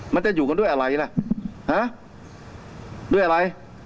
มันจะอยู่กันด้วยอะไรล่ะด้วยอะไร